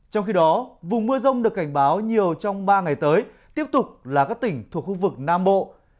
trong khi đó vùng mưa rông được cảnh báo nhiều trong ba ngày tới tiếp tục là các tỉnh thuộc khu vực nam bộ